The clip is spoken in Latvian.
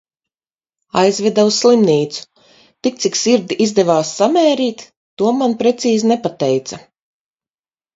Aizveda uz slimnīcu. Tik cik sirdi izdevās samērīt, to man precīzi nepateica.